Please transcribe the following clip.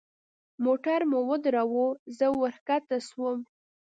موټر مو ودراوه زه ورکښته سوم.